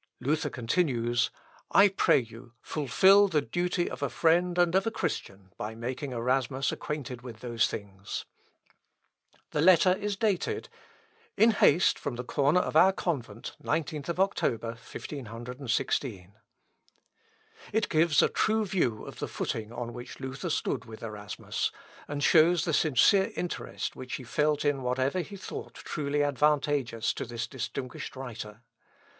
Luther continues, "I pray you, fulfil the duty of a friend and of a Christian, by making Erasmus acquainted with those things." This letter is dated "In haste, from the corner of our convent, 19th Oct., 1516." It gives a true view of the footing on which Luther stood with Erasmus, and shows the sincere interest which he felt in whatever he thought truly advantageous to this distinguished writer.